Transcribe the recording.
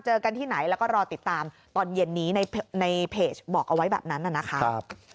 เจอกันที่ไหนแล้วก็รอติดตามตอนเย็นนี้ในเพจบอกเอาไว้แบบนั้นนะครับ